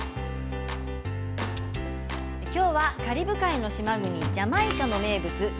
今日はカリブ海の島国ジャマイカの定番料理